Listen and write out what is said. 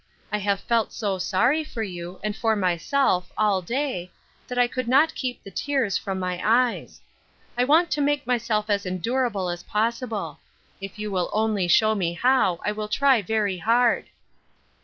I have felt so sorry for you, and for myself, all day, that I could not keep the tears from my eyes. I want to make myself as endurable as possible. If you will only show me how I will try very hard."